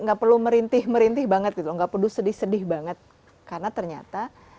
nggak perlu merintih merintih banget gitu nggak perlu sedih sedih banget karena ternyata